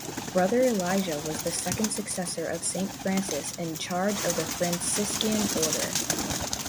Brother Elijah was the second successor of St. Francis in charge of the Franciscan order.